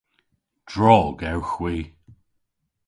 Drog ewgh hwi.